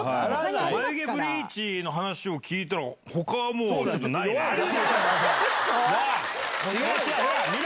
眉毛ブリーチの話を聞いたら、ほか、もうちょっとないね。